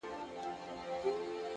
هره ناکامي د بیا هڅې پیغام دی!.